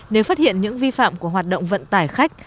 nếu phát hiện những vi phạm của hoạt động vận tải khách